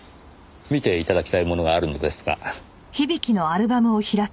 見て頂きたいものがあるのですが。